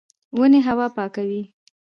ونې هوا پاکوي